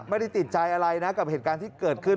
ไม่ได้ติดใจอะไรนะกับเหตุการณ์ที่เกิดขึ้น